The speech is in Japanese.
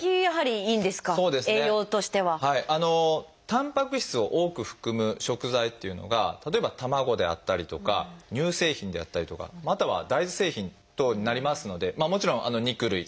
たんぱく質を多く含む食材っていうのが例えば卵であったりとか乳製品であったりとかまたは大豆製品等になりますのでもちろん肉類魚類もそうですけれども。